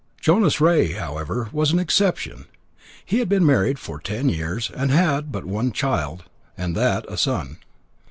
Jonas Rea, however, was an exception; he had been married for ten years, and had but one child, and that a son.